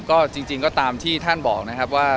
ก็จริงก็ตามที่ท่านบอกนะครับว่า